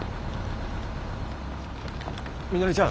みのりちゃん。